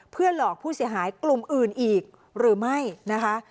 เพื่อหลอกผู้เสียหายกลุ่มอื่นอีกหรือไม่นะคะ